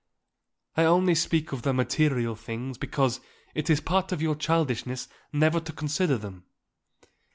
I only speak of the material things because it is part of your childishness never to consider them.